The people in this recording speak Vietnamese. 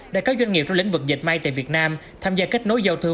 để các doanh nghiệp trong lĩnh vực dệt may tại việt nam tham gia kết nối giao thương